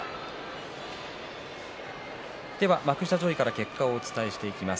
幕下上位から結果をお伝えしていきます。